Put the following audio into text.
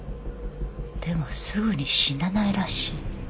でもすぐに死なないらしい。